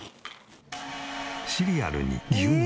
シリアルに牛乳。